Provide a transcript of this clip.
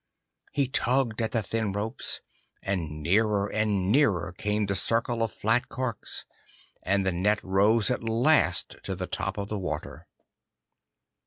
He tugged at the thin ropes, and nearer and nearer came the circle of flat corks, and the net rose at last to the top of the water.